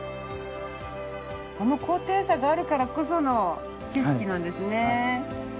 この高低差があるからこその景色なんですね。